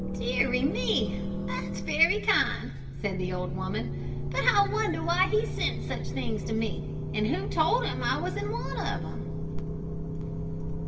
"Deary me, that's very kind," said the old woman; "but I wonder why he sent such things to me, and who told him I was in want of 'em?"